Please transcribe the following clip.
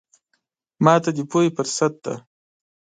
ماته د پوهې فرصت دی.